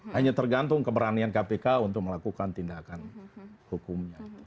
hanya tergantung keberanian kpk untuk melakukan tindakan hukumnya